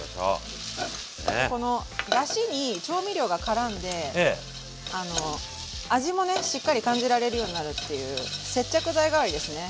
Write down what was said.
このだしに調味料がからんで味もねしっかり感じられるようになるっていう接着剤代わりですね